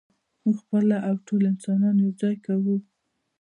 موږ خپله او ټول انسانان یو ځای کوو.